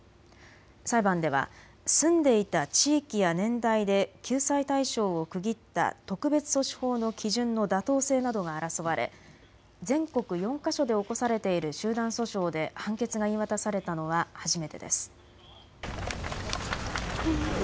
裁判では住んでいた地域や年代で救済対象を区切った特別措置法の基準の妥当性などが争われ全国４か所で起こされている集団訴訟で判決が言い渡されたのは初めてです。